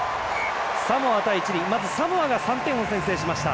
サモア対チリまずサモアが３点を先制しました。